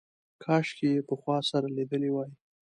کاشکې یې پخوا سره لیدلي وای.